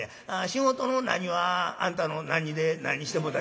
仕事の何はあんたの何で何してもろうたら結構や。